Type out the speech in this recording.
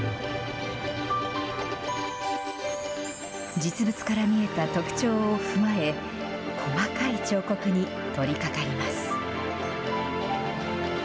実物から見えた特徴を踏まえ細かい彫刻に取りかかります。